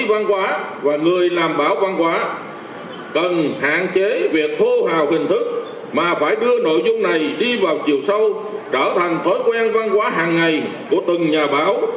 văn hóa và người làm báo văn hóa cần hạn chế việc hô hào hình thức mà phải đưa nội dung này đi vào chiều sâu trở thành tối quen văn hóa hàng ngày của từng nhà báo